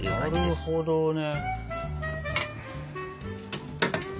なるほどね。